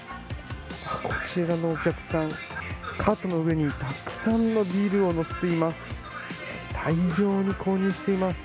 こちらのお客さん、カートの上にたくさんのビールを載せています。